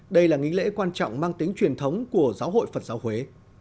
đây là nghi lễ quan trọng mang tính truyền thống của giáo hội phật giáo huế